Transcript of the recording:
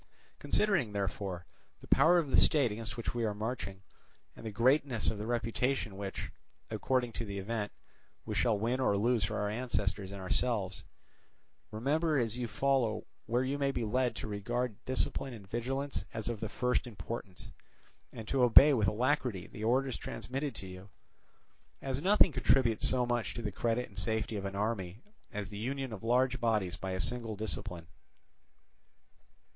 Considering, therefore, the power of the state against which we are marching, and the greatness of the reputation which, according to the event, we shall win or lose for our ancestors and ourselves, remember as you follow where you may be led to regard discipline and vigilance as of the first importance, and to obey with alacrity the orders transmitted to you; as nothing contributes so much to the credit and safety of an army as the union of large bodies by a single discipline."